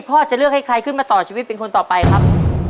พ่อจะเลือกให้ใครขึ้นมาต่อชีวิตเป็นคนต่อไปครับ